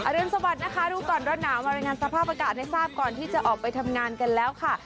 รุนสวัสดิ์นะคะรู้ก่อนร้อนหนาวมารายงานสภาพอากาศให้ทราบก่อนที่จะออกไปทำงานกันแล้วค่ะ